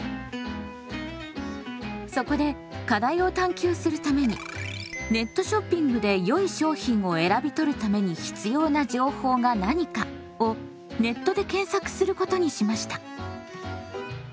そこで課題を探究するために「ネットショッピングで良い商品を選び取るために必要な情報が何か」を「ネットで検索する」ことにしました。